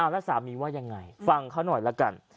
แล้วสามีว่ายังไงฟังเขาหน่อยละกัน